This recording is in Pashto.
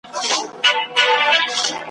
هم باندي جوړ سول لوی زیارتونه ,